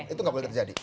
itu gak boleh terjadi